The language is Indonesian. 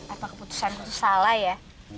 apa keputusan ku tuh salah ya